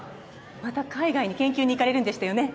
また海外に研究に行かれるんでしたよね？